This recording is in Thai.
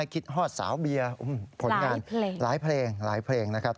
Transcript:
ฮอดสาวเบียร์ผลงานหลายเพลงหลายเพลงนะครับ